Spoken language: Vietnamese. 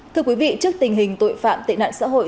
thưa quý vị trước tình hình tội phạm tệ nạn xã hội